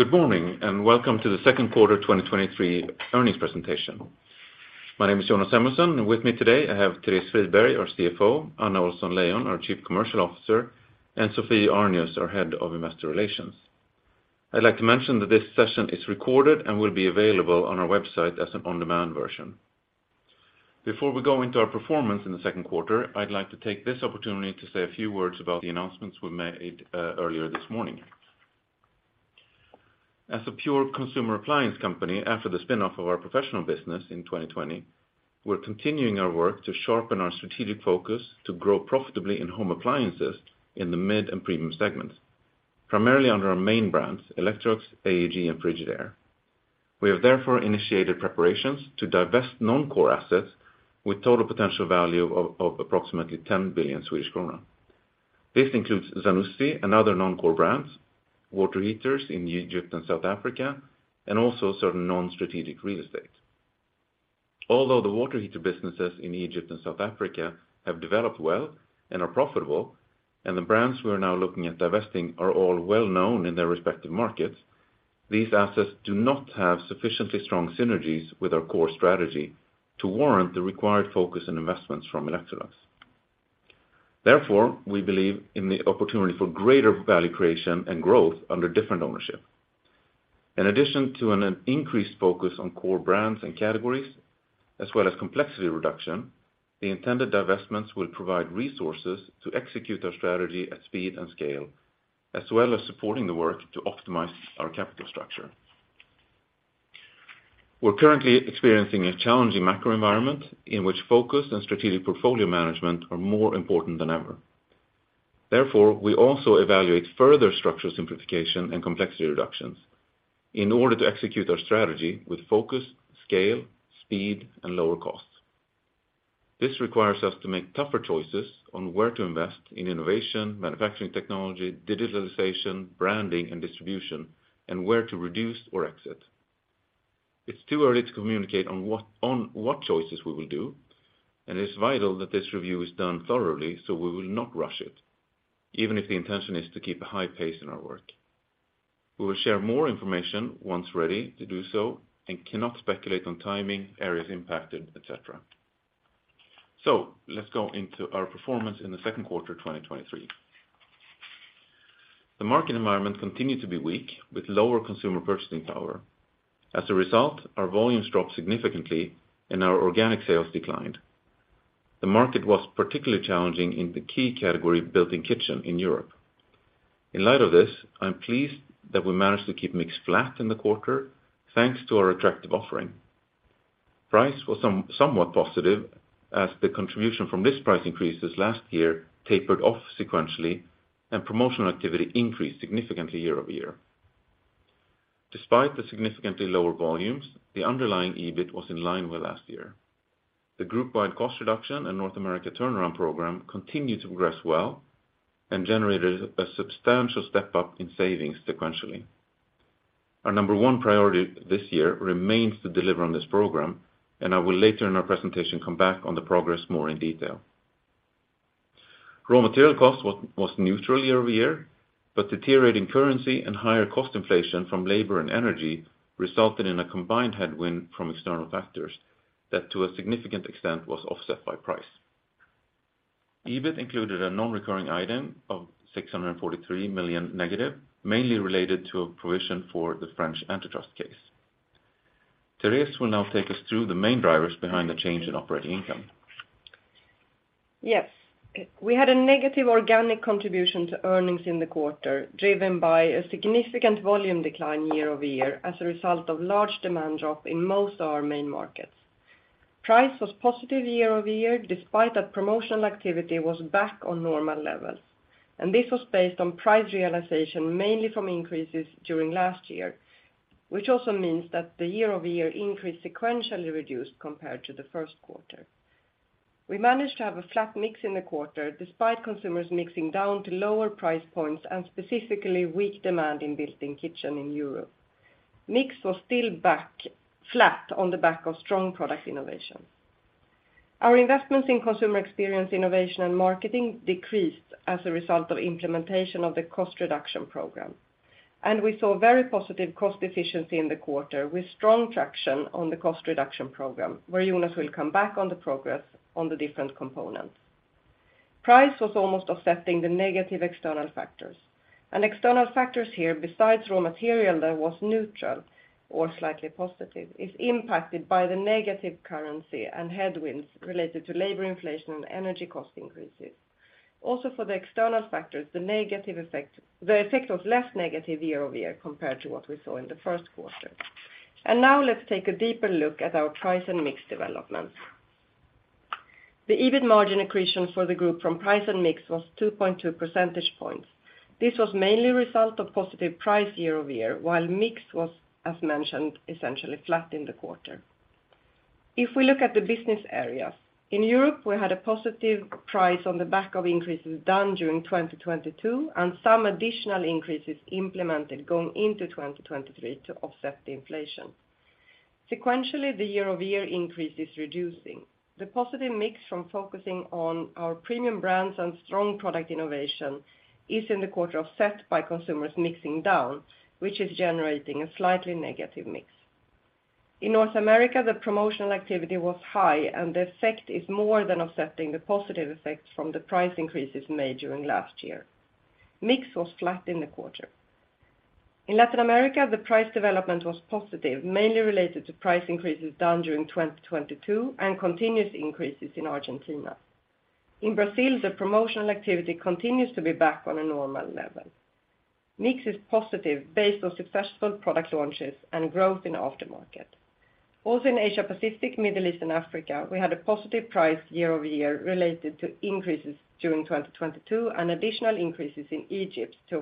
Good morning, welcome to the second quarter 2023 earnings presentation. My name is Jonas Samuelson, with me today, I have Therese Friberg, our CFO, Anna Ohlsson-Leijon, our Chief Commercial Officer, and Sophie Arnius, our Head of Investor Relations. I'd like to mention that this session is recorded and will be available on our website as an on-demand version. Before we go into our performance in the second quarter, I'd like to take this opportunity to say a few words about the announcements we made earlier this morning. As a pure consumer appliance company, after the spin-off of our professional business in 2020, we're continuing our work to sharpen our strategic focus to grow profitably in home appliances in the mid and premium segments, primarily under our main brands, Electrolux, AEG, and Frigidaire. We have therefore initiated preparations to divest non-core assets with total potential value of approximately 10 billion Swedish kronor. This includes Zanussi and other non-core brands, water heaters in Egypt and South Africa, and also certain non-strategic real estate. Although the water heater businesses in Egypt and South Africa have developed well and are profitable, and the brands we are now looking at divesting are all well-known in their respective markets, these assets do not have sufficiently strong synergies with our core strategy to warrant the required focus and investments from Electrolux. We believe in the opportunity for greater value creation and growth under different ownership. In addition to an increased focus on core brands and categories, as well as complexity reduction, the intended divestments will provide resources to execute our strategy at speed and scale, as well as supporting the work to optimize our capital structure. We're currently experiencing a challenging macro environment in which focus and strategic portfolio management are more important than ever. Therefore, we also evaluate further structure simplification and complexity reductions in order to execute our strategy with focus, scale, speed, and lower costs. This requires us to make tougher choices on where to invest in innovation, manufacturing technology, digitalization, branding, and distribution, and where to reduce or exit. It's too early to communicate on what choices we will do, and it's vital that this review is done thoroughly. We will not rush it, even if the intention is to keep a high pace in our work. We will share more information once ready to do so and cannot speculate on timing, areas impacted, et cetera. Let's go into our performance in the 2nd quarter of 2023. The market environment continued to be weak, with lower consumer purchasing power. As a result, our volumes dropped significantly and our organic sales declined. The market was particularly challenging in the key category, built-in kitchen in Europe. In light of this, I'm pleased that we managed to keep mix flat in the quarter, thanks to our attractive offering. Price was somewhat positive, as the contribution from this price increases last year tapered off sequentially, and promotional activity increased significantly year-over-year. Despite the significantly lower volumes, the underlying EBIT was in line with last year. The group-wide cost reduction and North America turnaround program continued to progress well and generated a substantial step up in savings sequentially. Our number one priority this year remains to deliver on this program, and I will later in our presentation, come back on the progress more in detail. Raw material cost was neutral year-over-year, but deteriorating currency and higher cost inflation from labor and energy resulted in a combined headwind from external factors that, to a significant extent, was offset by price. EBIT included a non-recurring item of 643 million negative, mainly related to a provision for the French antitrust case. Therese will now take us through the main drivers behind the change in operating income. We had a negative organic contribution to earnings in the quarter, driven by a significant volume decline year-over-year, as a result of large demand drop in most of our main markets. Price was positive year-over-year, despite that promotional activity was back on normal levels, and this was based on price realization, mainly from increases during last year, which also means that the year-over-year increase sequentially reduced compared to the first quarter. We managed to have a flat mix in the quarter, despite consumers mixing down to lower price points and specifically weak demand in built-in kitchen in Europe. Mix was still back, flat on the back of strong product innovation. Our investments in consumer experience, innovation, and marketing decreased as a result of implementation of the cost reduction program. We saw very positive cost efficiency in the quarter, with strong traction on the cost reduction program, where Jonas will come back on the progress on the different components. Price was almost offsetting the negative external factors. External factors here, besides raw material that was neutral or slightly positive, is impacted by the negative currency and headwinds related to labor inflation and energy cost increases. Also, for the external factors, the effect was less negative year-over-year compared to what we saw in the first quarter. Now let's take a deeper look at our price and mix developments. The EBIT margin accretion for the group from price and mix was 2.2 percentage points. This was mainly a result of positive price year-over-year, while mix was, as mentioned, essentially flat in the quarter. If we look at the business areas, in Europe, we had a positive price on the back of increases done during 2022, and some additional increases implemented going into 2023 to offset the inflation. Sequentially, the year-over-year increase is reducing. The positive mix from focusing on our premium brands and strong product innovation is in the quarter offset by consumers mixing down, which is generating a slightly negative mix. In North America, the promotional activity was high, and the effect is more than offsetting the positive effects from the price increases made during last year. Mix was flat in the quarter. In Latin America, the price development was positive, mainly related to price increases done during 2022, and continuous increases in Argentina. In Brazil, the promotional activity continues to be back on a normal level. Mix is positive based on successful product launches and growth in aftermarket. In Asia Pacific, Middle East and Africa, we had a positive price year-over-year related to increases during 2022, and additional increases in Egypt to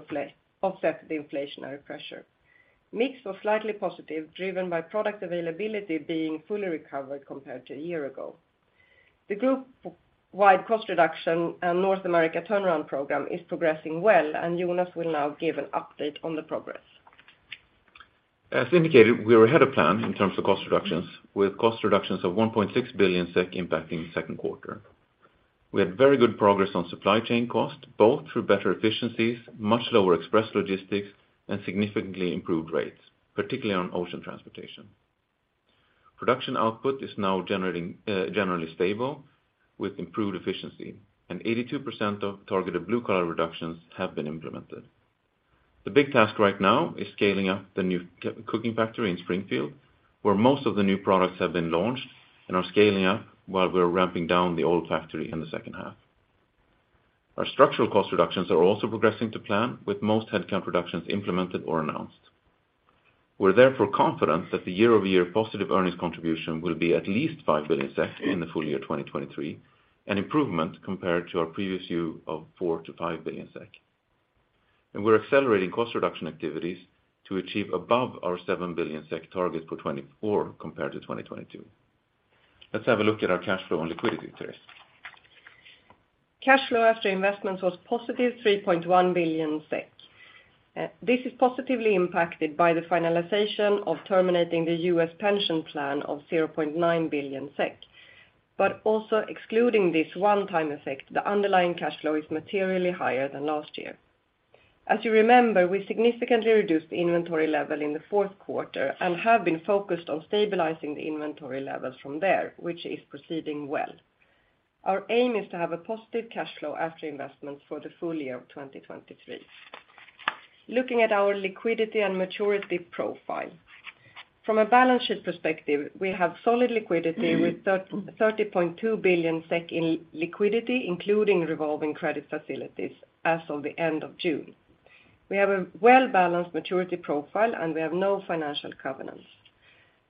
offset the inflationary pressure. Mix was slightly positive, driven by product availability being fully recovered compared to a year ago. The group-wide cost reduction and North America turnaround program is progressing well. Jonas will now give an update on the progress. As indicated, we are ahead of plan in terms of cost reductions, with cost reductions of 1.6 billion SEK impacting the second quarter. We had very good progress on supply chain cost, both through better efficiencies, much lower express logistics, and significantly improved rates, particularly on ocean transportation. Production output is now generating generally stable with improved efficiency, and 82% of targeted blue collar reductions have been implemented. The big task right now is scaling up the new cooking factory in Springfield, where most of the new products have been launched and are scaling up while we're ramping down the old factory in the H2. Our structural cost reductions are also progressing to plan, with most headcount reductions implemented or announced. We're therefore confident that the year-over-year positive earnings contribution will be at least 5 billion SEK in the full year 2023, an improvement compared to our previous view of 4 billion-5 billion SEK. We're accelerating cost reduction activities to achieve above our 7 billion SEK target for 2024 compared to 2022. Let's have a look at our cash flow and liquidity first. Cash flow after investment was positive, 3.1 billion SEK. This is positively impacted by the finalization of terminating the U.S. pension plan of 0.9 billion SEK. Also excluding this one-time effect, the underlying cash flow is materially higher than last year. As you remember, we significantly reduced the inventory level in the fourth quarter and have been focused on stabilizing the inventory levels from there, which is proceeding well. Our aim is to have a positive cash flow after investment for the full year of 2023. Looking at our liquidity and maturity profile. From a balance sheet perspective, we have solid liquidity with 30.2 billion SEK in liquidity, including revolving credit facilities as of the end of June. We have a well-balanced maturity profile, and we have no financial covenants.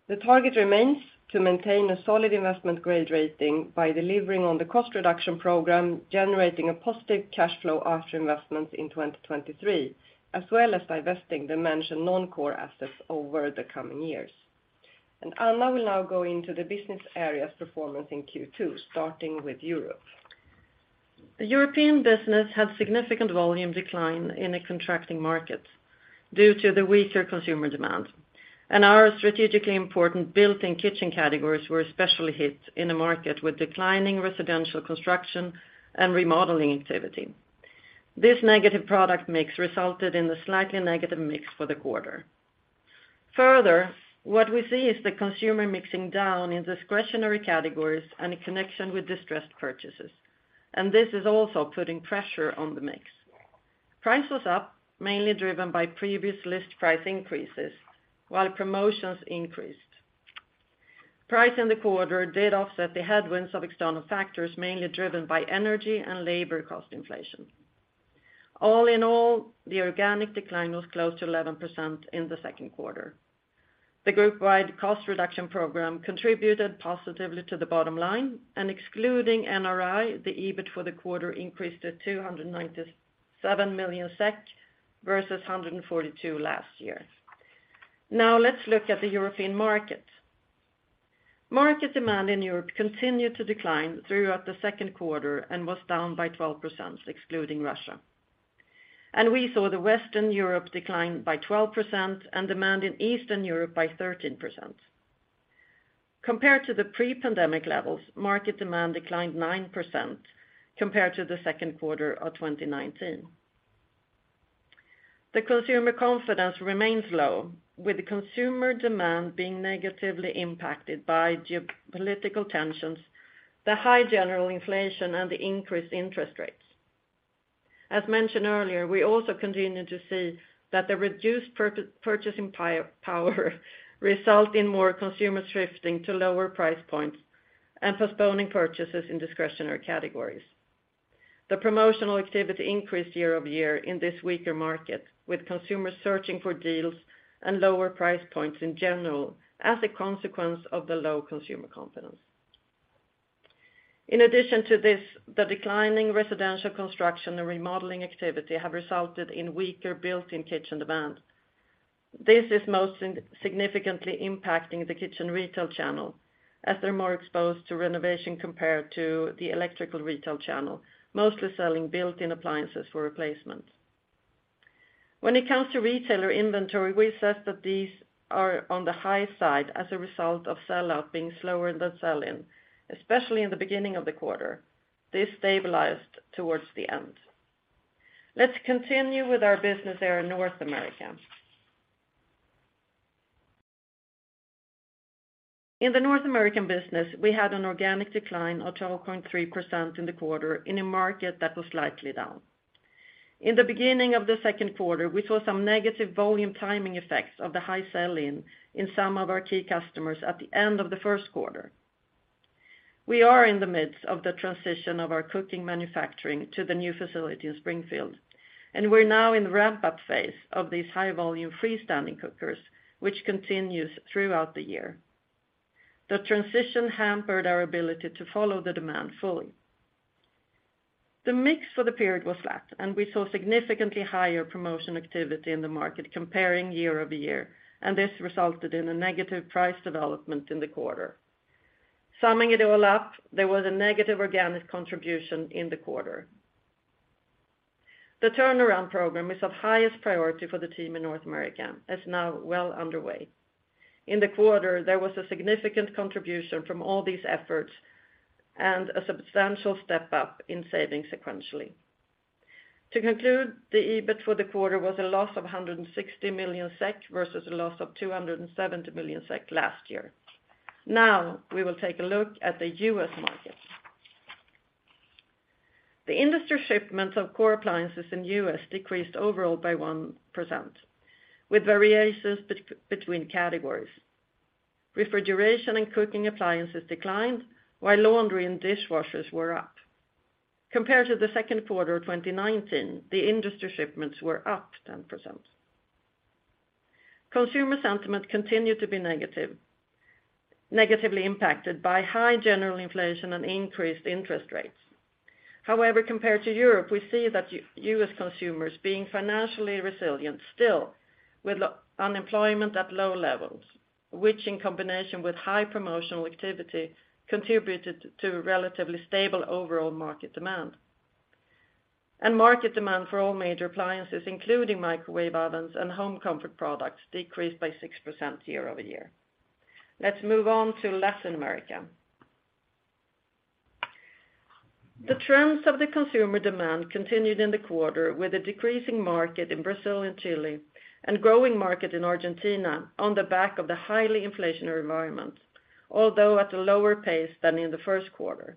The target remains to maintain a solid investment grade rating by delivering on the cost reduction program, generating a positive cash flow after investment in 2023, as well as divesting the mentioned non-core assets over the coming years. Anna will now go into the business areas performance in Q2, starting with Europe. The European business had significant volume decline in a contracting market due to the weaker consumer demand, and our strategically important built-in kitchen categories were especially hit in a market with declining residential construction and remodeling activity. This negative product mix resulted in a slightly negative mix for the quarter. Further, what we see is the consumer mixing down in discretionary categories and a connection with distressed purchases, and this is also putting pressure on the mix. Price was up, mainly driven by previous list price increases, while promotions increased. Price in the quarter did offset the headwinds of external factors, mainly driven by energy and labor cost inflation. All in all, the organic decline was close to 11% in the second quarter. The group-wide cost reduction program contributed positively to the bottom line. Excluding NRI, the EBIT for the quarter increased to 297 million SEK versus 142 last year. Now, let's look at the European market. Market demand in Europe continued to decline throughout the second quarter and was down by 12%, excluding Russia. We saw the Western Europe decline by 12% and demand in Eastern Europe by 13%. Compared to the pre-pandemic levels, market demand declined 9% compared to the second quarter of 2019. The consumer confidence remains low, with the consumer demand being negatively impacted by geopolitical tensions, the high general inflation, and the increased interest rates. As mentioned earlier, we also continue to see that the reduced purchasing power result in more consumers shifting to lower price points and postponing purchases in discretionary categories. The promotional activity increased year-over-year in this weaker market, with consumers searching for deals and lower price points in general as a consequence of the low consumer confidence. In addition to this, the declining residential construction and remodeling activity have resulted in weaker built-in kitchen demand. This is most significantly impacting the kitchen retail channel, as they're more exposed to renovation compared to the electrical retail channel, mostly selling built-in appliances for replacement. When it comes to retailer inventory, we assess that these are on the high side as a result of sell-out being slower than sell-in, especially in the beginning of the quarter. This stabilized towards the end. Let's continue with our business here in North America. In the North American business, we had an organic decline of 12.3% in the quarter in a market that was slightly down. In the beginning of the second quarter, we saw some negative volume timing effects of the high sell-in in some of our key customers at the end of the first quarter. We are in the midst of the transition of our cooking manufacturing to the new facility in Springfield, and we're now in the ramp-up phase of these high-volume freestanding cookers, which continues throughout the year. The transition hampered our ability to follow the demand fully. The mix for the period was flat, and we saw significantly higher promotion activity in the market comparing year-over-year, and this resulted in a negative price development in the quarter. Summing it all up, there was a negative organic contribution in the quarter. The turnaround program is of highest priority for the team in North America, and is now well underway. In the quarter, there was a significant contribution from all these efforts and a substantial step up in savings sequentially. To conclude, the EBIT for the quarter was a loss of 160 million SEK, versus a loss of 270 million SEK last year. We will take a look at the U.S. market. The industry shipments of core appliances in the U.S. decreased overall by 1%, with variations between categories. Refrigeration and cooking appliances declined, while laundry and dishwashers were up. Compared to the second quarter of 2019, the industry shipments were up 10%. Consumer sentiment continued to be negative, negatively impacted by high general inflation and increased interest rates. However, compared to Europe, we see that U.S. consumers being financially resilient still, with unemployment at low levels, which, in combination with high promotional activity, contributed to a relatively stable overall market demand. Market demand for all major appliances, including microwave ovens and home comfort products, decreased by 6% year-over-year. Let's move on to Latin America. The trends of the consumer demand continued in the quarter, with a decreasing market in Brazil and Chile, and growing market in Argentina on the back of the highly inflationary environment, although at a lower pace than in the first quarter.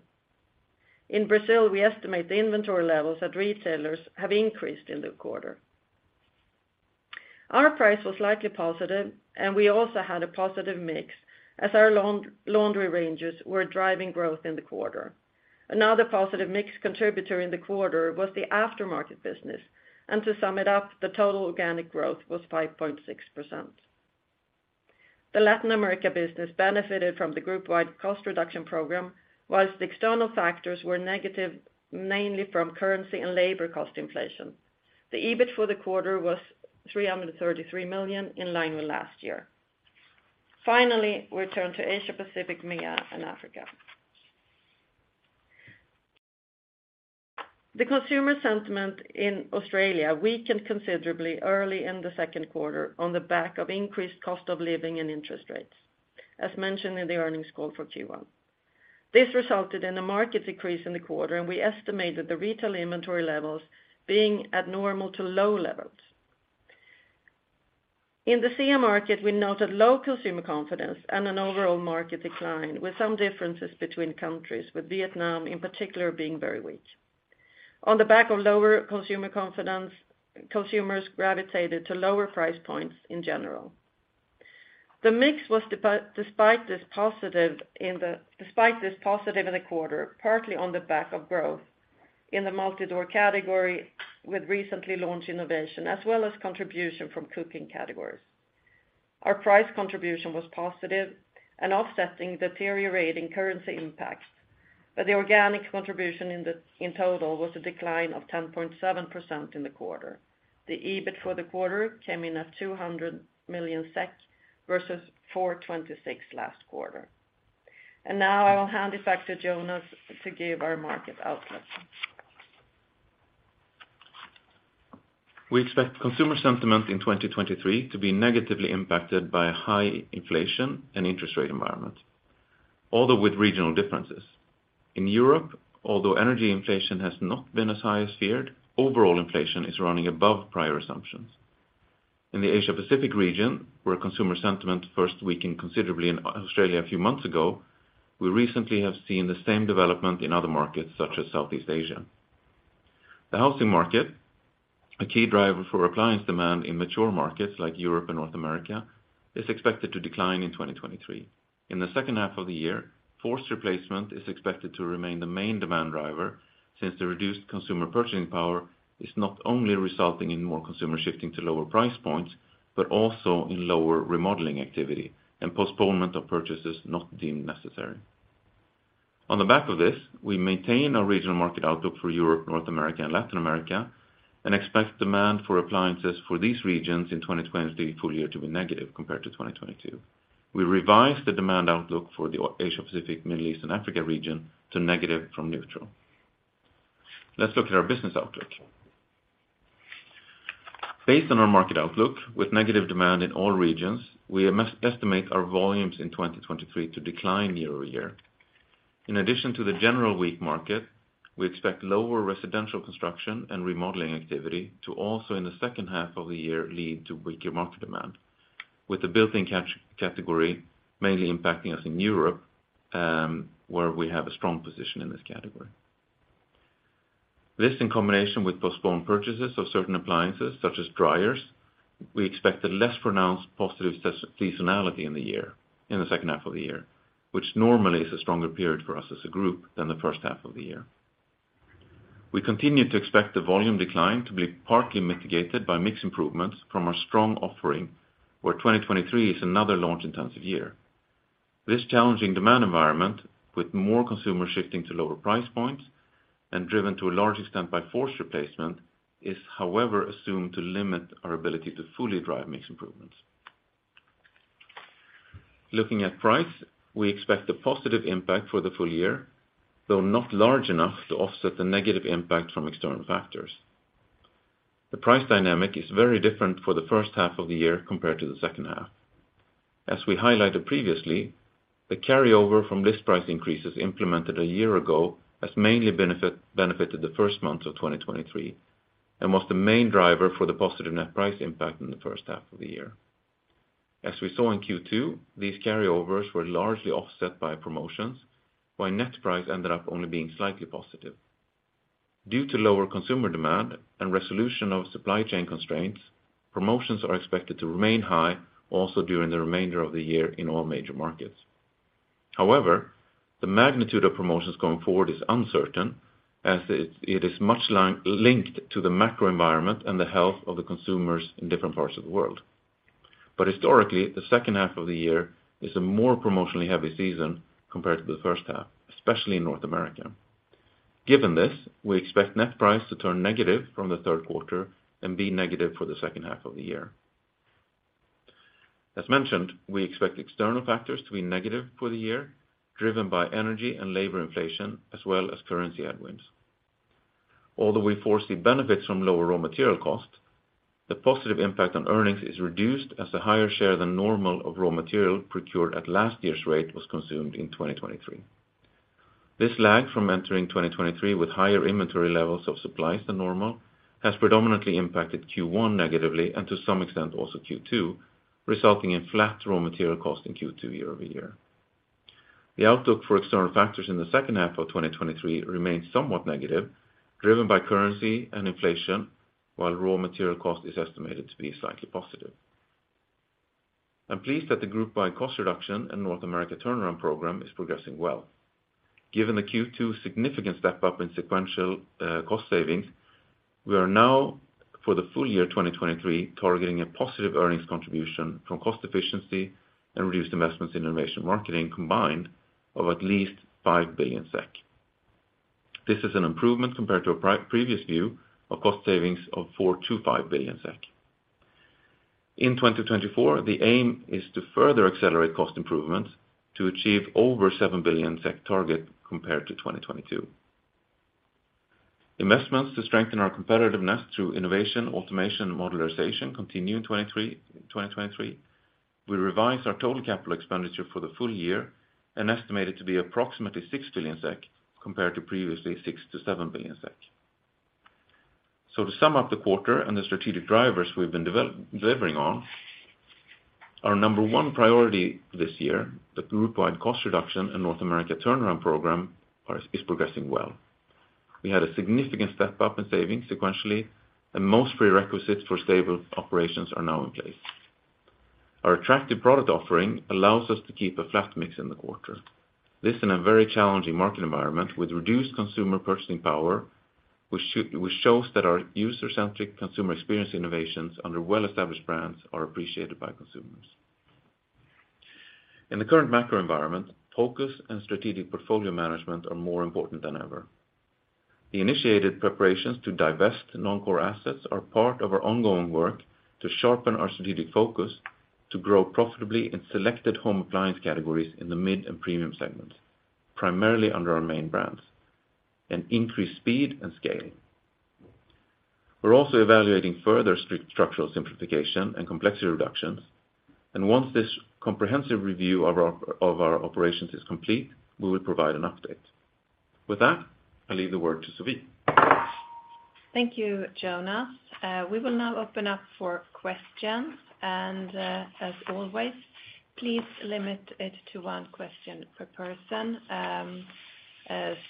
In Brazil, we estimate the inventory levels at retailers have increased in the quarter. Our price was slightly positive, we also had a positive mix, as our laundry ranges were driving growth in the quarter. Another positive mix contributor in the quarter was the aftermarket business. To sum it up, the total organic growth was 5.6%. The Latin America business benefited from the group-wide cost reduction program, while the external factors were negative, mainly from currency and labor cost inflation. The EBIT for the quarter was 333 million, in line with last year. We turn to Asia Pacific, MEA, and Africa. The consumer sentiment in Australia weakened considerably early in the second quarter on the back of increased cost of living and interest rates, as mentioned in the earnings call for Q1. This resulted in a market decrease in the quarter. We estimated the retail inventory levels being at normal to low levels. In the SEA market, we noted low consumer confidence and an overall market decline, with some differences between countries, with Vietnam, in particular, being very weak. On the back of lower consumer confidence, consumers gravitated to lower price points in general. The mix was despite this positive in the quarter, partly on the back of growth in the multi-door category, with recently launched innovation, as well as contribution from cooking categories. Our price contribution was positive and offsetting deteriorating currency impacts. The organic contribution in total was a decline of 10.7% in the quarter. The EBIT for the quarter came in at 200 million SEK, versus 426 million last quarter. Now I will hand it back to Jonas to give our market outlook. We expect consumer sentiment in 2023 to be negatively impacted by high inflation and interest rate environment, although with regional differences. In Europe, although energy inflation has not been as high as feared, overall inflation is running above prior assumptions. In the Asia Pacific region, where consumer sentiment first weakened considerably in Australia a few months ago, we recently have seen the same development in other markets, such as Southeast Asia. The housing market, a key driver for appliance demand in mature markets like Europe and North America, is expected to decline in 2023. In the H2 of the year, forced replacement is expected to remain the main demand driver, since the reduced consumer purchasing power is not only resulting in more consumers shifting to lower price points, but also in lower remodeling activity and postponement of purchases not deemed necessary. On the back of this, we maintain our regional market outlook for Europe, North America, and Latin America, and expect demand for appliances for these regions in 2020 full year to be negative compared to 2022. We revised the demand outlook for the Asia Pacific, Middle East, and Africa region to negative from neutral. Let's look at our business outlook. Based on our market outlook, with negative demand in all regions, we estimate our volumes in 2023 to decline year-over-year. In addition to the general weak market, we expect lower residential construction and remodeling activity to also, in the H2 of the year, lead to weaker market demand, with the built-in kitchen category mainly impacting us in Europe, where we have a strong position in this category. This, in combination with postponed purchases of certain appliances, such as dryers, we expect a less pronounced positive seasonality in the year, in the H2 of the year, which normally is a stronger period for us as a group than the H1 of the year. We continue to expect the volume decline to be partly mitigated by mix improvements from our strong offering, where 2023 is another launch-intensive year. This challenging demand environment, with more consumers shifting to lower price points and driven to a large extent by forced replacement, is, however, assumed to limit our ability to fully drive mix improvements. Looking at price, we expect a positive impact for the full year, though not large enough to offset the negative impact from external factors. The price dynamic is very different for the H1 of the year compared to the H2. As we highlighted previously, the carryover from list price increases implemented a year ago has mainly benefited the first month of 2023, and was the main driver for the positive net price impact in the H1 of the year. As we saw in Q2, these carryovers were largely offset by promotions, while net price ended up only being slightly positive. Due to lower consumer demand and resolution of supply chain constraints, promotions are expected to remain high also during the remainder of the year in all major markets. However, the magnitude of promotions going forward is uncertain, as it is much linked to the macro environment and the health of the consumers in different parts of the world. Historically, the H2 of the year is a more promotionally heavy season compared to the H1, especially in North America. Given this, we expect net price to turn negative from the 3rd quarter and be negative for H2. As mentioned, we expect external factors to be negative for the year, driven by energy and labor inflation, as well as currency headwinds. Although we foresee benefits from lower raw material costs, the positive impact on earnings is reduced as a higher share than normal of raw material procured at last year's rate was consumed in 2023. This lag from entering 2023 with higher inventory levels of supplies than normal, has predominantly impacted Q1 negatively, and to some extent, also Q2, resulting in flat raw material costs in Q2, year-over-year. The outlook for external factors in H2 of 2023 remains somewhat negative, driven by currency and inflation, while raw material cost is estimated to be slightly positive. I'm pleased that the group-wide cost reduction and North America turnaround program is progressing well. Given the Q2 significant step up in sequential cost savings, we are now, for the full year 2023, targeting a positive earnings contribution from cost efficiency and reduced investments in innovation marketing combined, of at least 5 billion SEK. This is an improvement compared to our pre-previous view of cost savings of 4 billion-5 billion SEK. In 2024, the aim is to further accelerate cost improvements to achieve over 7 billion SEK target compared to 2022. Investments to strengthen our competitiveness through innovation, automation, and modularization continue in 2023. We revised our total capital expenditure for the full year and estimate it to be approximately 6 billion SEK, compared to previously 6 billion-7 billion SEK. To sum up the quarter and the strategic drivers we've been delivering on, our number one priority this year, the group-wide cost reduction and North America turnaround program is progressing well. We had a significant step up in savings sequentially, and most prerequisites for stable operations are now in place. Our attractive product offering allows us to keep a flat mix in the quarter. This, in a very challenging market environment with reduced consumer purchasing power, which shows that our user-centric consumer experience innovations under well-established brands are appreciated by consumers. In the current macro environment, focus and strategic portfolio management are more important than ever. The initiated preparations to divest non-core assets are part of our ongoing work to sharpen our strategic focus to grow profitably in selected home appliance categories in the mid and premium segments, primarily under our main brands, and increase speed and scale. We're also evaluating further structural simplification and complexity reductions. Once this comprehensive review of our operations is complete, we will provide an update. With that, I leave the word to Sophie. Thank you, Jonas. We will now open up for questions, and as always, please limit it to one question per person,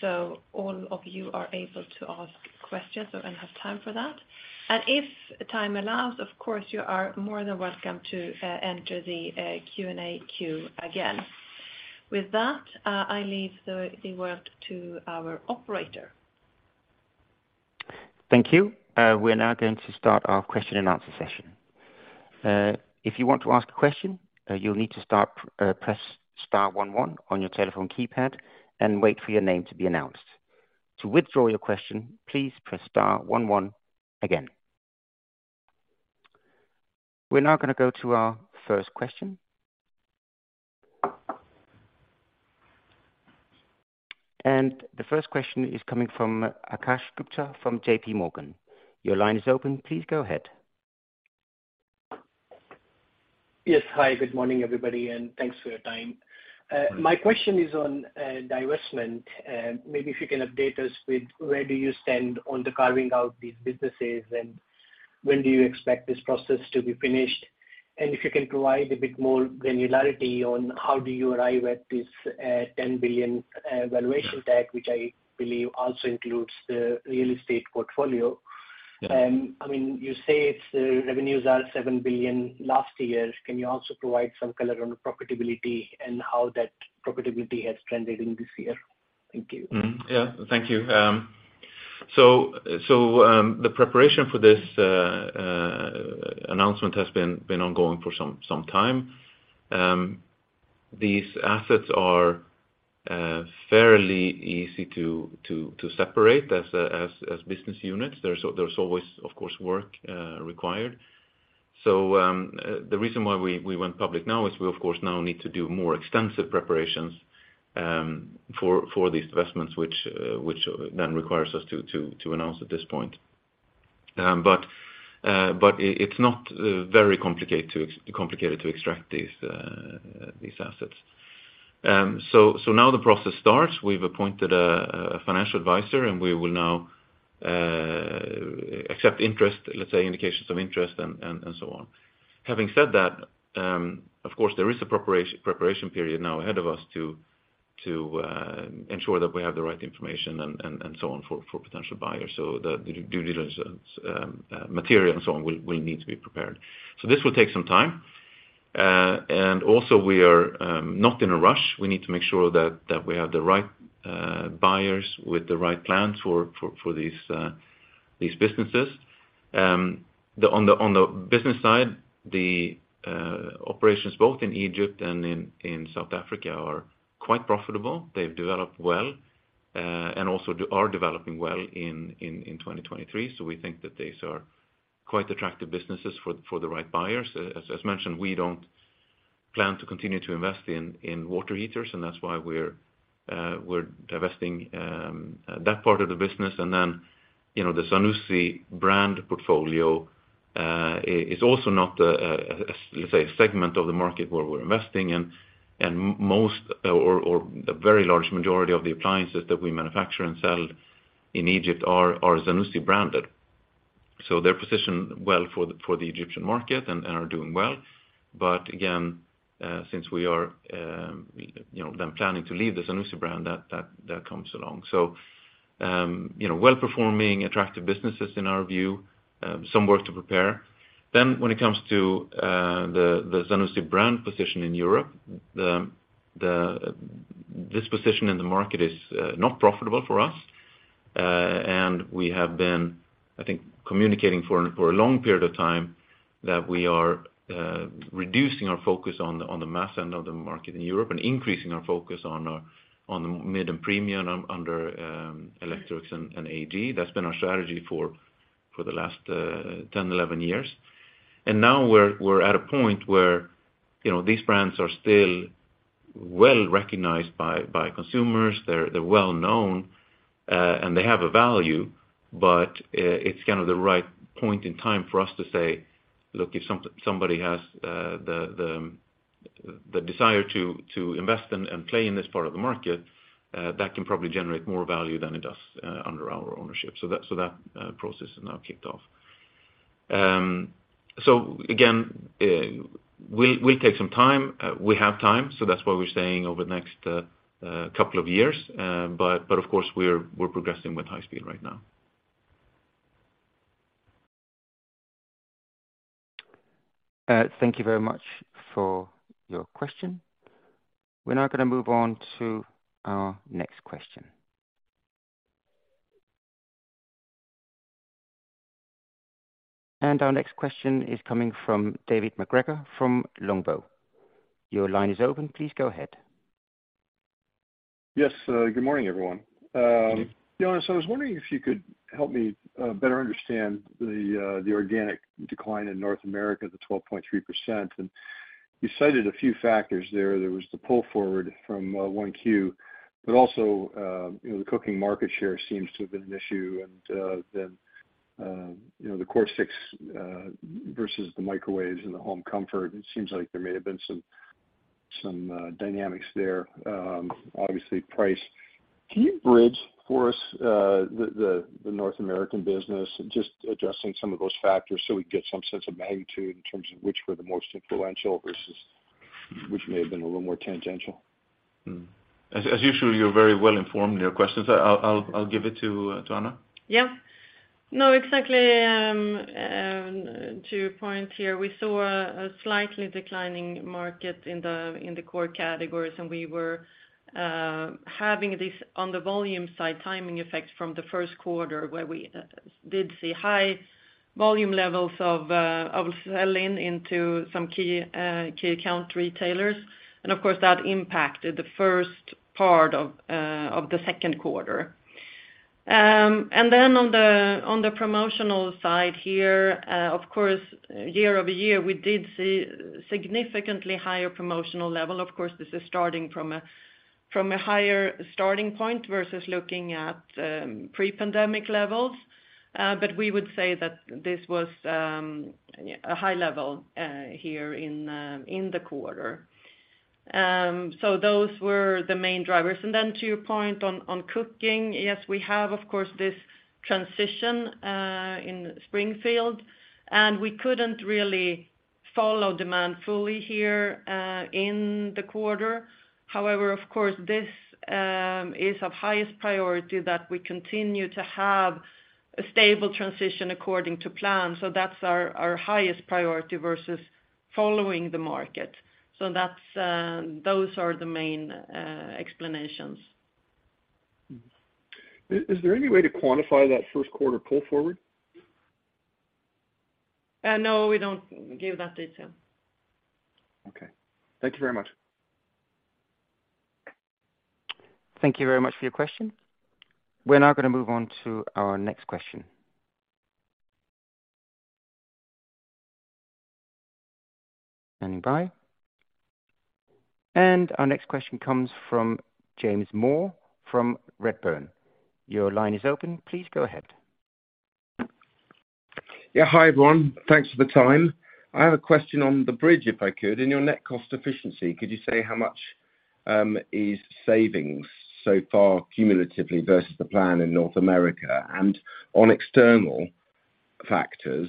so all of you are able to ask questions and have time for that. If time allows, of course, you are more than welcome to enter the Q&A queue again. With that, I leave the word to our operator. Thank you. We're now going to start our question and answer session. If you want to ask a question, you'll need to start, press star one one on your telephone keypad and wait for your name to be announced. To withdraw your question, please press star one one again. We're now gonna go to our 1st question. The first question is coming from Akash Gupta from JPMorgan. Your line is open, please go ahead. Yes. Hi, good morning, everybody, and thanks for your time. My question is on divestment. Maybe if you can update us with where do you stand on the carving out these businesses, and when do you expect this process to be finished? If you can provide a bit more granularity on how do you arrive at this 10 billion valuation tag, which I believe also includes the real estate portfolio. I mean, you say its revenues are 7 billion last year. Can you also provide some color on the profitability and how that profitability has trended in this year? Thank you. Yeah, thank you. The preparation for this announcement has been ongoing for some time. These assets are fairly easy to separate as business units. There's always, of course, work required. The reason why we went public now is we of course now need to do more extensive preparations for these investments, which then requires us to announce at this point. It's not very complicated to extract these assets. Now the process starts. We've appointed a financial advisor, and we will now accept interest, let's say, indications of interest and so on. Having said that, of course, there is a preparation period now ahead of us to ensure that we have the right information and so on for potential buyers. The due diligence material and so on, will need to be prepared. This will take some time. Also, we are not in a rush. We need to make sure that we have the right buyers with the right plans for these businesses. On the business side, operations both in Egypt and South Africa are quite profitable. They've developed well and also are developing well in 2023. We think that these are quite attractive businesses for the right buyers. As mentioned, we don't plan to continue to invest in water heaters, and that's why we're divesting that part of the business. You know, the Zanussi brand portfolio is also not the, let's say, segment of the market where we're investing in. Most or a very large majority of the appliances that we manufacture and sell in Egypt are Zanussi branded. They're positioned well for the Egyptian market and are doing well. Again, since we are, you know, then planning to leave the Zanussi brand, that comes along. You know, well-performing, attractive businesses in our view, some work to prepare. When it comes to the Zanussi brand position in Europe, the... This position in the market is not profitable for us. We have been, I think, communicating for a long period of time that we are reducing our focus on the mass end of the market in Europe and increasing our focus on the mid and premium under Electrolux and AEG. That's been our strategy for the last 10 years, 11 years. Now we're at a point where, you know, these brands are still well-recognized by consumers. They're well-known, and they have a value, but it's kind of the right point in time for us to say, "Look, if somebody has the desire to invest and play in this part of the market, that can probably generate more value than it does, under our ownership." That process is now kicked off. Again, we'll take some time. We have time, so that's why we're saying over the next couple of years. Of course, we're progressing with high speed right now. Thank you very much for your question. We're now gonna move on to our next question. Our next question is coming from David MacGregor, from Longbow. Your line is open, please go ahead. Yes, good morning, everyone. Jonas, I was wondering if you could help me better understand the organic decline in North America, the 12.3%. You cited a few factors there. There was the pull forward from 1Q, but also, you know, the cooking market share seems to have been an issue. You know, the core six versus the microwaves and the home comfort, it seems like there may have been some dynamics there, obviously price. Can you bridge for us the North American business, just addressing some of those factors so we get some sense of magnitude in terms of which were the most influential versus which may have been a little more tangential? As usual, you're very well informed in your questions. I'll give it to Anna. Yeah. No, exactly, to your point here, we saw a slightly declining market in the core categories, we were having this on the volume side, timing effect from the 1st quarter, where we did see high volume levels of selling into some key account retailers. Of course, that impacted the first part of the second quarter. On the promotional side here, of course, year-over-year, we did see significantly higher promotional level. Of course, this is starting from a higher starting point versus looking at pre-pandemic levels. But we would say that this was a high level here in the quarter. Those were the main drivers. To your point on cooking, yes, we have, of course, this transition in Springfield, and we couldn't really follow demand fully here in the quarter. Of course, this is of highest priority that we continue to have a stable transition according to plan. That's our highest priority versus following the market. That's, those are the main explanations. Is there any way to quantify that first quarter pull forward? No, we don't give that detail. Okay. Thank you very much. Thank you very much for your question. We're now gonna move on to our next question. Standing by. Our next question comes from James Moore from Redburn. Your line is open. Please go ahead. Yeah. Hi, everyone. Thanks for the time. I have a question on the bridge, if I could. In your net cost efficiency, could you say how much is savings so far, cumulatively versus the plan in North America? On external factors,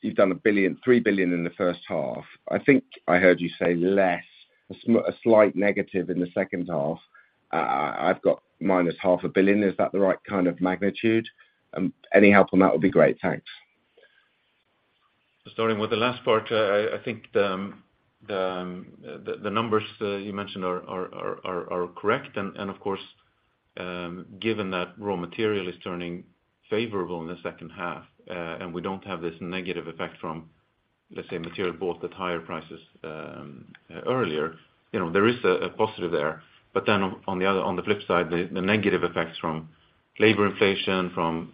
you've done 1 billion, 3 billion in the H1. I think I heard you say less, a slight negative in the H2. I've got minus SEK half a billion. Is that the right kind of magnitude? Any help on that would be great. Thanks. Starting with the last part, I think the numbers you mentioned are correct. Of course, given that raw material is turning favorable in the H2, and we don't have this negative effect from, let's say, material bought at higher prices earlier, you know, there is a positive there. On the other, on the flip side, the negative effects from labor inflation, from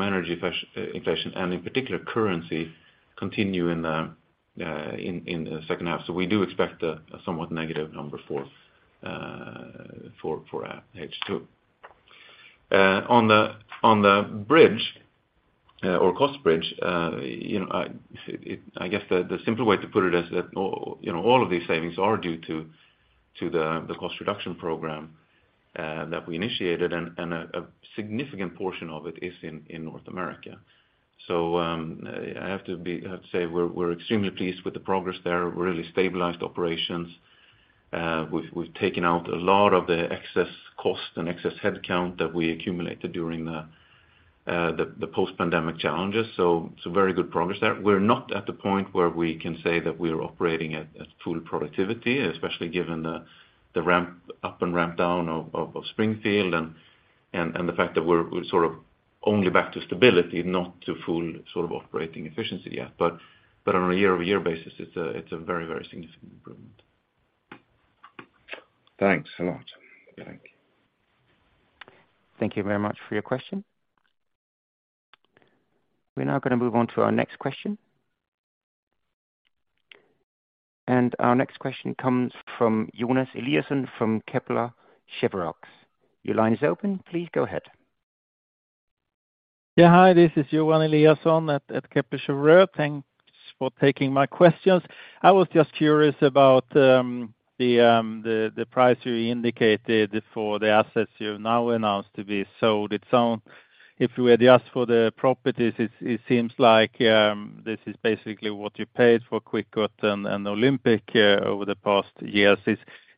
energy inflation, and in particular currency, continue in the H2. We do expect a somewhat negative number for H2. On the, on the bridge, or cost bridge, you know, I, it, I guess the simple way to put it is that all, you know, all of these savings are due to the cost reduction program, that we initiated, and a significant portion of it is in North America. I have to be, I have to say we're extremely pleased with the progress there. We're really stabilized operations. We've, we've taken out a lot of the excess cost and excess headcount that we accumulated during the, the post-pandemic challenges, so some very good progress there. We're not at the point where we can say that we're operating at full productivity, especially given the ramp up and ramp down of Springfield, and the fact that we're sort of only back to stability, not to full sort of operating efficiency yet. On a year-over-year basis, it's a very, very significant improvement. Thanks a lot. Thank you. Thank you very much for your question. We're now gonna move on to our next question. Our next question comes from Johan Eliason from Kepler Cheuvreux. Your line is open. Please go ahead. Yeah, hi, this is Johan Eliason at Kepler Cheuvreux. Thanks for taking my questions. I was just curious about the price you indicated for the assets you've now announced to be sold. It sound, if it were just for the properties, it seems like this is basically what you paid for Kwikot and Olympic over the past years.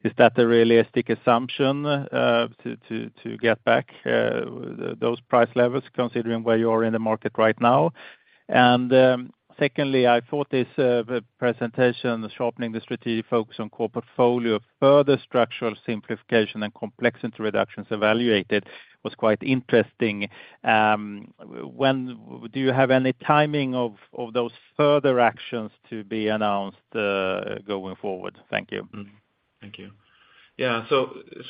Is that a realistic assumption to get back those price levels, considering where you are in the market right now? Secondly, I thought this presentation, the sharpening the strategic focus on core portfolio, further structural simplification and complexity reductions evaluated was quite interesting. Do you have any timing of those further actions to be announced going forward? Thank you. Thank you.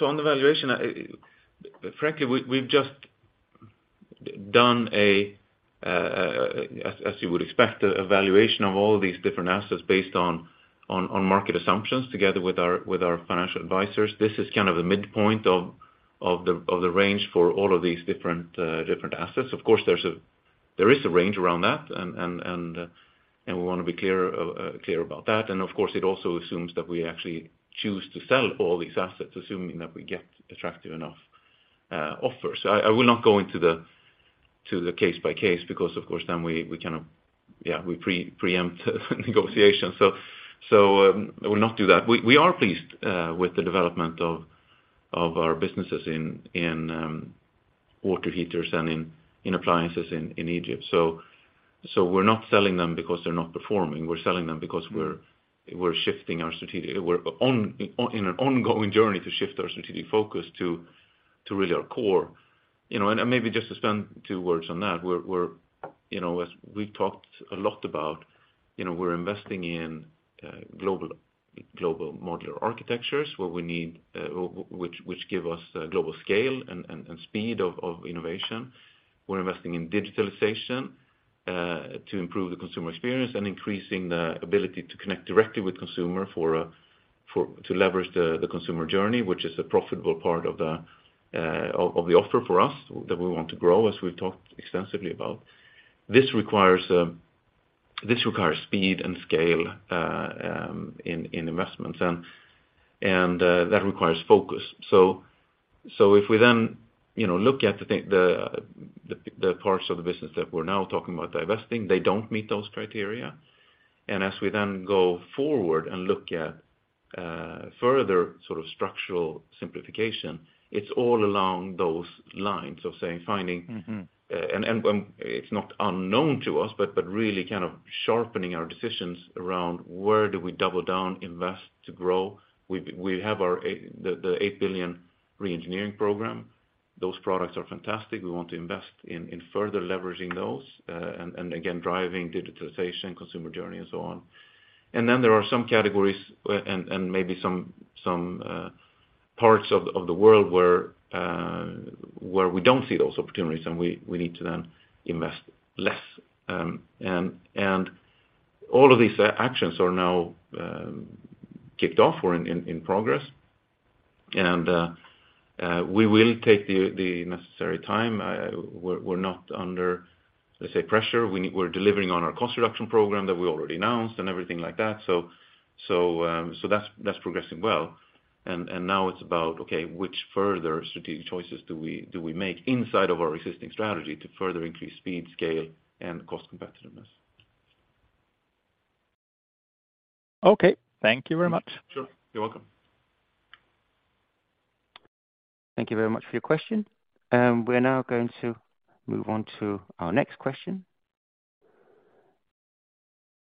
On the valuation, frankly, we've just done a, as you would expect, a valuation of all these different assets based on market assumptions together with our financial advisors. This is kind of the midpoint of the range for all of these different assets. Of course, there is a range around that, and we wanna be clear about that. Of course, it also assumes that we actually choose to sell all these assets, assuming that we get attractive enough offers. I will not go into the case by case, because, of course, then we kind of, yeah, we preempt negotiation. I will not do that. We are pleased with the development of our businesses in water heaters and in appliances in Egypt. We're not selling them because they're not performing. We're selling them because we're shifting our we're on an ongoing journey to shift our strategic focus to really our core. You know, maybe just to spend two words on that. You know, as we've talked a lot about, you know, we're investing in global modular architectures, where we need which give us global scale and speed of innovation. We're investing in digitalization to improve the consumer experience and increasing the ability to connect directly with consumer to leverage the consumer journey, which is a profitable part of the offer for us, that we want to grow, as we've talked extensively about. This requires speed and scale in investments, and that requires focus. If we then, you know, look at the parts of the business that we're now talking about divesting, they don't meet those criteria. As we then go forward and look at further sort of structural simplification, it's all along those lines of saying, finding- Mm-hmm... and it's not unknown to us, but really kind of sharpening our decisions around where do we double down, invest to grow? We have our the 8 billion re-engineering program. Those products are fantastic. We want to invest in further leveraging those, and again, driving digitalization, consumer journey, and so on. Then there are some categories, and maybe some parts of the world where we don't see those opportunities, and we need to then invest less. All of these actions are now kicked off. We're in progress, and we will take the necessary time. We're not under, let's say, pressure. We're delivering on our cost reduction program that we already announced and everything like that, so that's progressing well. Now it's about, okay, which further strategic choices do we make inside of our existing strategy to further increase speed, scale, and cost competitiveness? Okay, thank you very much. Sure. You're welcome. Thank you very much for your question. We're now going to move on to our next question.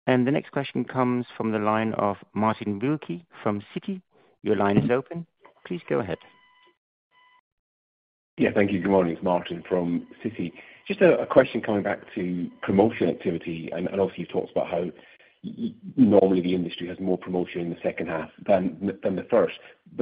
The next question comes from the line of Martin Wilkie from Citi. Your line is open. Please go ahead. Yeah, thank you. Good morning. It's Martin from Citi. Just a question coming back to promotion activity. Obviously you've talked about how normally the industry has more promotion in the H2 than the H1.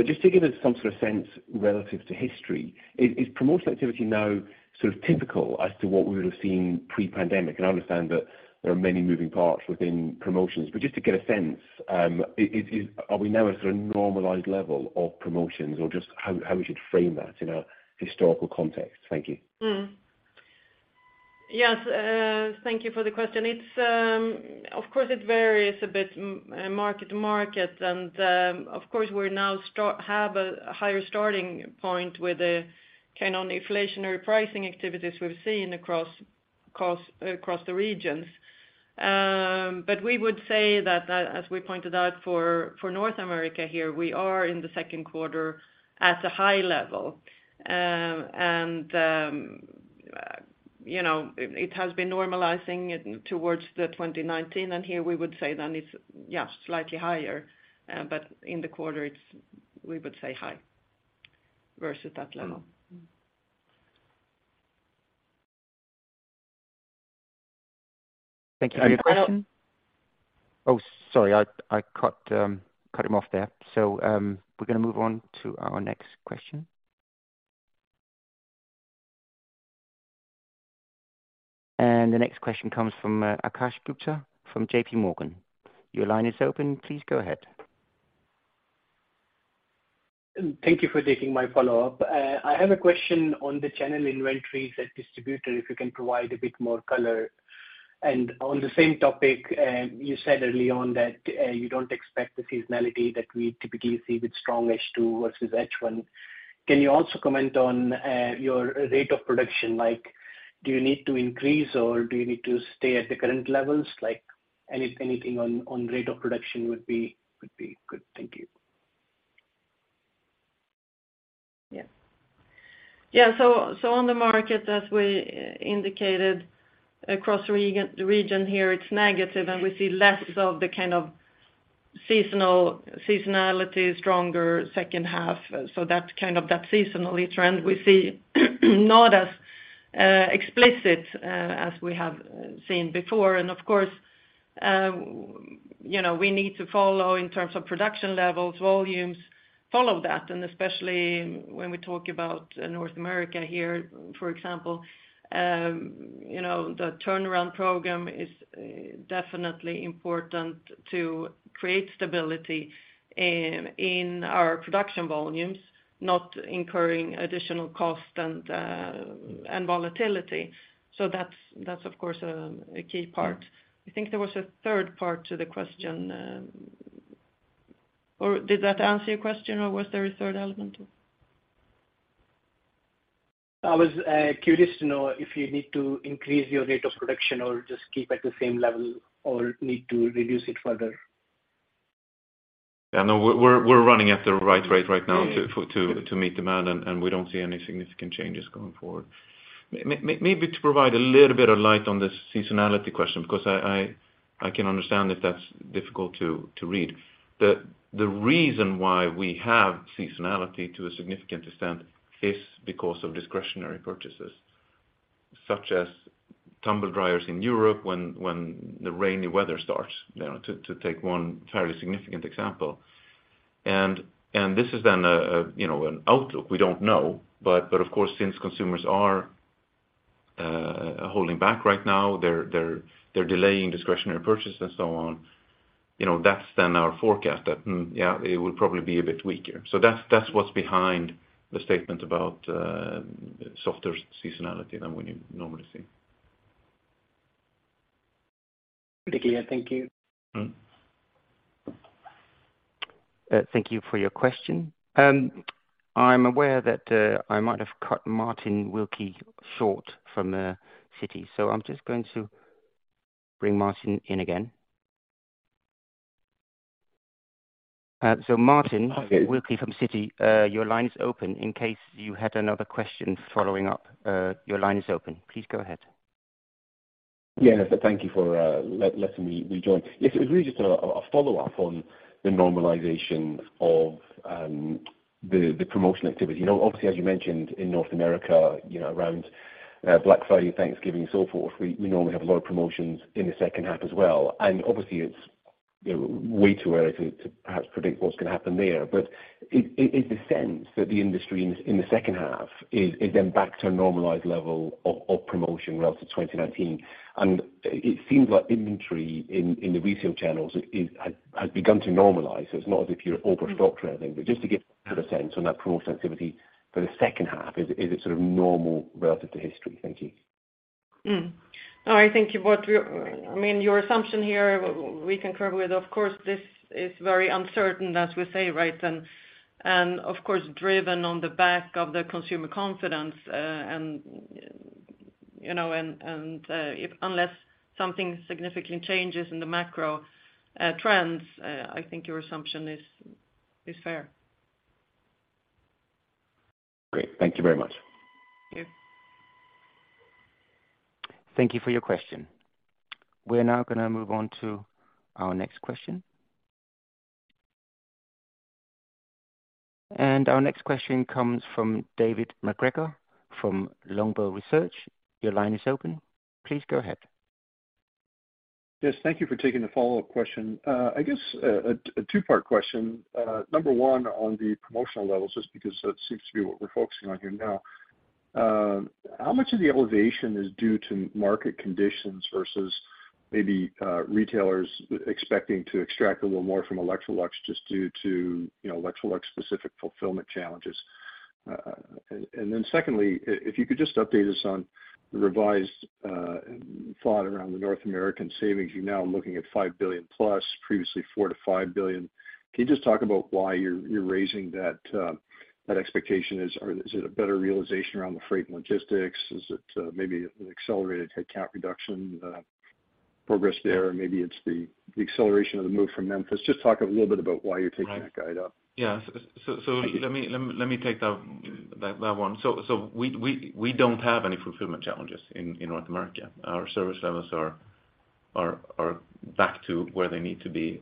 Just to give us some sort of sense relative to history, is promotion activity now sort of typical as to what we would have seen pre-pandemic? I understand that there are many moving parts within promotions, but just to get a sense, are we now at a normalized level of promotions, or just how we should frame that in a historical context? Thank you. Yes, thank you for the question. It's. Of course, it varies a bit market to market, and of course, we have a higher starting point with the kind of inflationary pricing activities we've seen across the regions. We would say that, as we pointed out for North America here, we are in the second quarter at a high level. You know, it has been normalizing towards 2019, and here we would say that it's, yeah, slightly higher, but in the quarter, it's we would say high versus that level. Thank you. Sorry, I cut him off there. We're gonna move on to our next question. The next question comes from Akash Gupta from JP Morgan. Your line is open. Please go ahead. Thank you for taking my follow-up. I have a question on the channel inventories and distributor, if you can provide a bit more color. On the same topic, you said early on that you don't expect the seasonality that we typically see with strong H2 versus H1. Can you also comment on your rate of production? Like, do you need to increase, or do you need to stay at the current levels? Like, anything on rate of production would be good. Thank you. Yeah. So on the market, as we indicated across region here, it's negative, and we see less of the kind of seasonality, stronger H2. So that kind of, that seasonality trend we see, not as explicit as we have seen before. Of course, you know, we need to follow in terms of production levels, volumes, follow that, and especially when we talk about North America here, for example, you know, the turnaround program is definitely important to create stability in our production volumes, not incurring additional cost and volatility. That's of course, a key part. I think there was a 3rd part to the question, or did that answer your question, or was there a 3rd element? I was curious to know if you need to increase your rate of production or just keep at the same level or need to reduce it further. Yeah, no, we're running at the right rate right now to meet demand, and we don't see any significant changes going forward. Maybe to provide a little bit of light on the seasonality question, because I can understand if that's difficult to read. The reason why we have seasonality to a significant extent is because of discretionary purchases, such as tumble dryers in Europe when the rainy weather starts, you know, to take one fairly significant example. This is then a, you know, an outlook we don't know. Of course, since consumers are holding back right now, they're delaying discretionary purchases and so on, you know, that's then our forecast that, yeah, it will probably be a bit weaker. That's what's behind the statement about softer seasonality than we normally see. Thank you. Thank you for your question. I'm aware that I might have cut Martin Wilkie short from Citi, so I'm just going to bring Martin in again. Martin Wilkie from Citi, your line is open in case you had another question following up. Your line is open. Please go ahead. Yes, thank you for letting me rejoin. Yes, it was really just a follow-up on the normalization of the promotion activity. You know, obviously, as you mentioned in North America, you know, around Black Friday, Thanksgiving, so forth, we normally have a lot of promotions in the H2 as well. Obviously, it's, you know, way too early to perhaps predict what's going to happen there. Is the sense that the industry in the H2 is then back to a normalized level of promotion relative to 2019? It seems like inventory in the resale channels has begun to normalize, so it's not as if you're overstocked or anything. Just to get a sense on that promotion activity for the H2, is it sort of normal relative to history? Thank you. I think, I mean, your assumption here, we concur with. Of course, this is very uncertain, as we say, right? Of course, driven on the back of the consumer confidence, and, you know, and unless something significantly changes in the macro trends, I think your assumption is fair. Great. Thank you very much. Thank you. Thank you for your question. We're now going to move on to our next question. Our next question comes from David McGregor from Longbow Research. Your line is open. Please go ahead. Yes, thank you for taking the follow-up question. I guess, a two-part question. Number one, on the promotional levels, just because that seems to be what we're focusing on here now. How much of the elevation is due to market conditions versus maybe retailers expecting to extract a little more from Electrolux just due to, you know, Electrolux-specific fulfillment challenges? Then secondly, if you could just update us on the revised thought around the North American savings. You're now looking at 5 billion+, previously 4 billion-5 billion. Can you just talk about why you're raising that expectation? Is it a better realization around the freight and logistics? Is it maybe an accelerated headcount reduction progress there? Maybe it's the acceleration of the move from Memphis. Just talk a little bit about why you're taking that guide up. Yeah. Let me take that one. We don't have any fulfillment challenges in North America. Our service levels are back to where they need to be,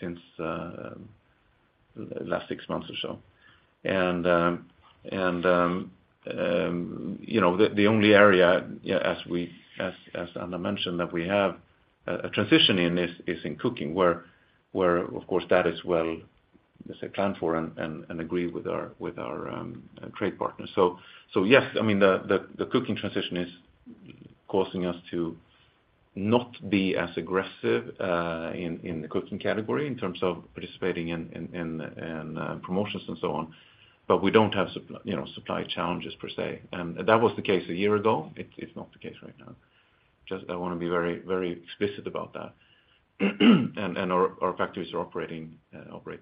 since last six months or so. You know, the only area, as Anna mentioned, that we have a transition in is in cooking, where of course, that is well, as I planned for and agreed with our trade partners. Yes, I mean, the cooking transition is causing us to not be as aggressive in the cooking category in terms of participating in promotions and so on, but we don't have you know, supply challenges per se. That was the case a year ago. It's not the case right now. Just I want to be very, very explicit about that. Our factories are operating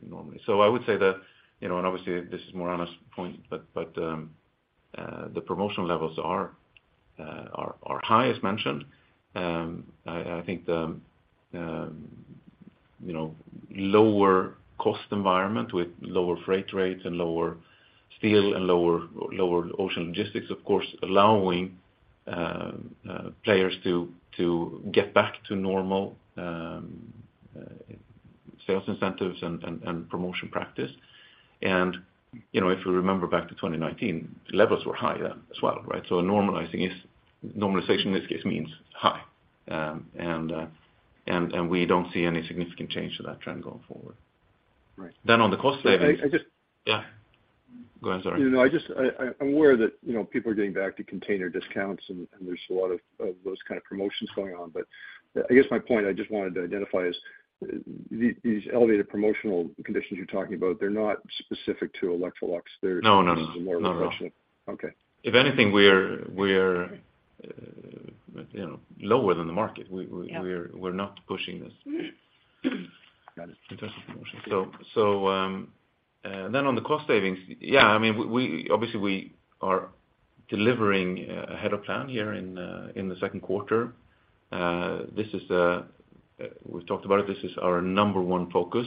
normally. I would say that, you know, and obviously, this is more Anna's point, but the promotional levels are high, as mentioned. I think the, you know, lower cost environment with lower freight rates and lower steel and lower ocean logistics, of course, allowing players to get back to normal sales incentives and promotion practice. You know, if you remember back to 2019, levels were high then as well, right? Normalization in this case means high, and we don't see any significant change to that trend going forward. Right. On the cost savings. I, I just- Yeah. Go ahead, sorry. I'm aware that, you know, people are getting back to container discounts, and there's a lot of those kind of promotions going on. I guess my point I just wanted to identify is, these elevated promotional conditions you're talking about, they're not specific to Electrolux. No, no. More promotional. Okay. If anything, we're, you know, lower than the market. Yeah. We're not pushing this. Got it. On the cost savings, yeah, I mean, we obviously we are delivering ahead of plan here in the second quarter. This is, we've talked about it, this is our number one focus,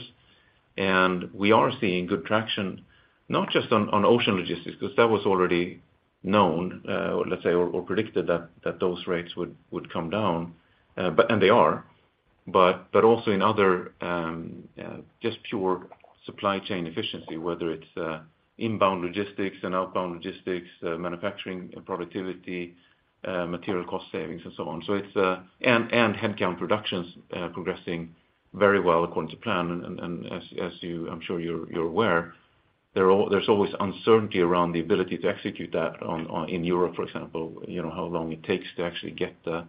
and we are seeing good traction, not just on ocean logistics, because that was already known, let's say, or predicted that those rates would come down, but and they are. Also in other, just pure supply chain efficiency, whether it's inbound logistics and outbound logistics, manufacturing and productivity, material cost savings, and so on. It's. Headcount productions progressing very well according to plan. As you're aware, there's always uncertainty around the ability to execute that on in Europe, for example. You know, how long it takes to actually get the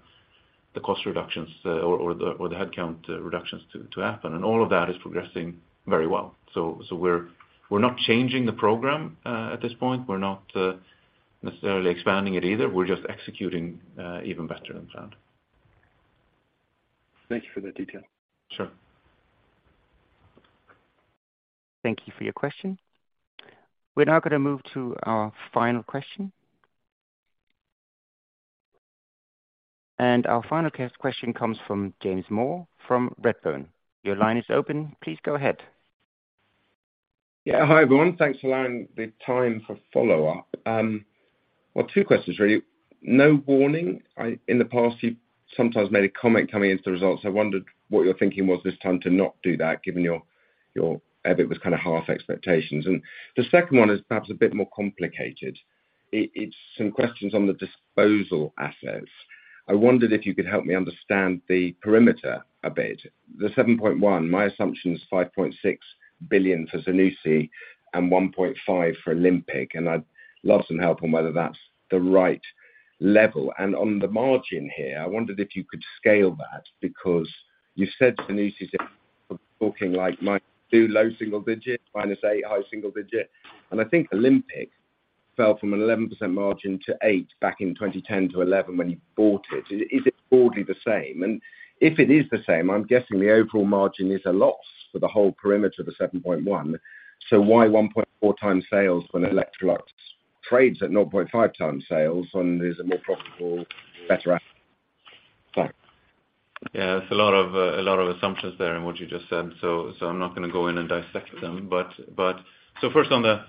cost reductions or the headcount reductions to happen, and all of that is progressing very well. We're not changing the program at this point. We're not necessarily expanding it either. We're just executing even better than planned. Thank you for the detail. Sure. Thank you for your question. We're now gonna move to our final question. Our final question comes from James Moore from Redburn. Your line is open. Please go ahead. Yeah. Hi, everyone. Thanks for allowing the time for follow-up. Well, two questions really. No warning? I in the past, you've sometimes made a comment coming into the results. I wondered what your thinking was this time to not do that, given your EBIT was kind of half expectations. The second one is perhaps a bit more complicated. It's some questions on the disposal assets. I wondered if you could help me understand the perimeter a bit. The 7.1 billion, my assumption is 5.6 billion for Zanussi and 1.5 billion for Olympic, and I'd love some help on whether that's the right level. On the margin here, I wondered if you could scale that, because you said Zanussi is booking, like, -2%, low single digits, -8%, high single digit. I think Olympic fell from an 11% margin to 8% back in 2010 to 2011 when you bought it. Is it broadly the same? If it is the same, I'm guessing the overall margin is a loss for the whole perimeter of the 7.1. Why 1.4x sales, when Electrolux trades at 0.5x sales and is a more profitable, better asset? Thanks. Yeah, it's a lot of, a lot of assumptions there in what you just said, so I'm not gonna go in and dissect them. So 1st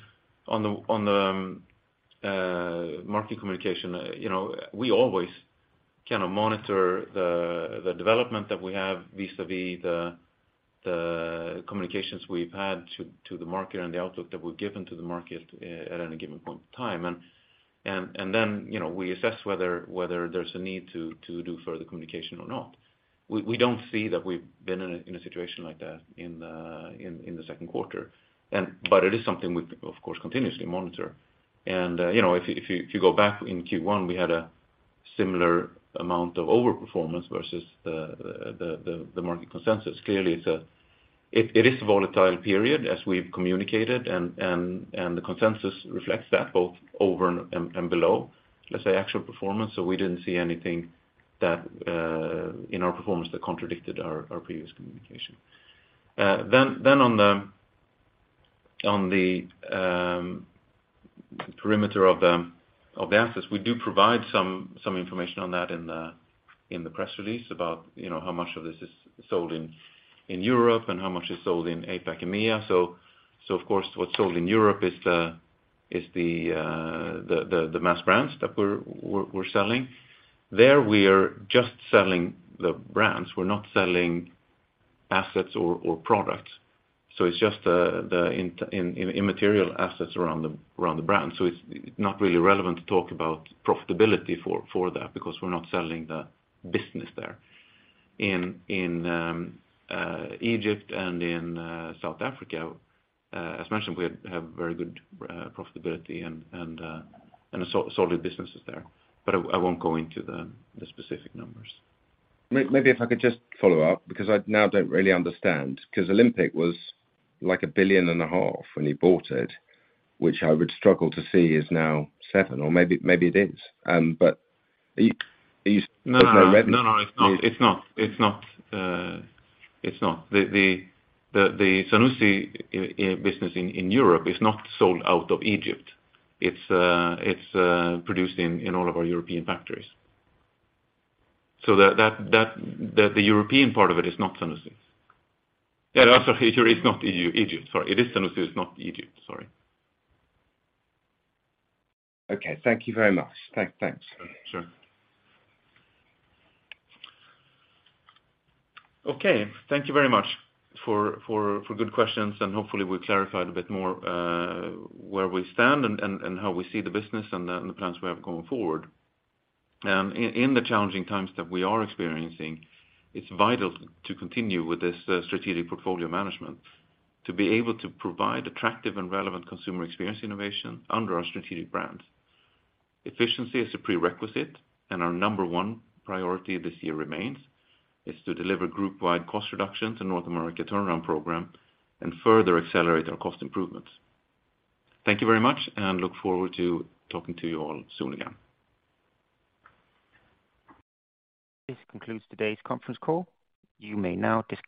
on the market communication, you know, we always kind of monitor the development that we have vis-à-vis the communications we've had to the market and the outlook that we've given to the market at any given point in time. Then, you know, we assess whether there's a need to do further communication or not. We don't see that we've been in a situation like that in the second quarter. But it is something we, of course, continuously monitor. You know, if you go back in Q1, we had a similar amount of overperformance versus the market consensus. Clearly, it is a volatile period, as we've communicated, and the consensus reflects that both over and below, let's say, actual performance. We didn't see anything that in our performance that contradicted our previous communication. Then on the perimeter of the assets, we do provide some information on that in the press release about, you know, how much of this is sold in Europe and how much is sold in APAC, EMEA. Of course, what's sold in Europe is the mass brands that we're selling. There, we are just selling the brands. We're not selling assets or products. It's just immaterial assets around the brand. It's not really relevant to talk about profitability for that, because we're not selling the business there. In Egypt and in South Africa, as mentioned, we have very good profitability and solid businesses there, but I won't go into the specific numbers. Maybe if I could just follow up, because I now don't really understand, because Olympic was like a billion and a half SEK when you bought it, which I would struggle to see is now 7 billion, or maybe it is. You, No, it's not. It's not. The Zanussi business in Europe is not sold out of Egypt. It's produced in all of our European factories. That the European part of it is not Zanussi. It's not Egypt, sorry. It is Zanussi, it's not Egypt. Sorry. Okay. Thank you very much. Thanks. Sure. Okay, thank you very much for good questions, hopefully we've clarified a bit more where we stand and how we see the business and the plans we have going forward. In the challenging times that we are experiencing, it's vital to continue with this strategic portfolio management, to be able to provide attractive and relevant consumer experience innovation under our strategic brands. Efficiency is a prerequisite. Our number one priority this year remains, is to deliver groupwide cost reductions and North America turnaround program and further accelerate our cost improvements. Thank you very much. Look forward to talking to you all soon again. This concludes today's conference call. You may now disconnect.